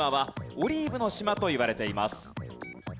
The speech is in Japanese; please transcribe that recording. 「オリーブの島」といわれています。